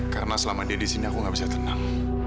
karena selama dia di sini aku gak bisa tenang